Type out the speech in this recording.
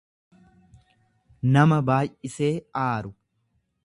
nama baay'isee aaru.